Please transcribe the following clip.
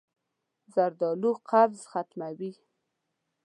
زردالو قبض ختموي.